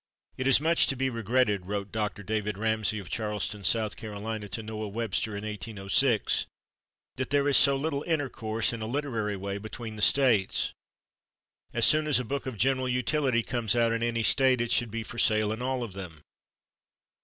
"It is much to be regretted," wrote Dr. David Ramsay, of Charleston, S. C., to Noah Webster in 1806, "that there is so little intercourse in a literary way between the states. As soon as a book of general utility comes out in any state it should be for sale in all of them."